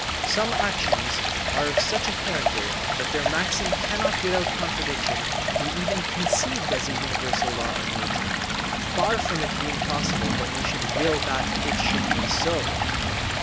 Some actions are of such a character that their maxim cannot without contradiction be even conceived as a universal law of nature, far from it being possible that we should will that it should be so.